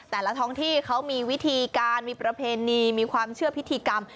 แต่ละท้องที่เขามีวิธีการมีประเพณีมีความเชื่อพิธีกรรม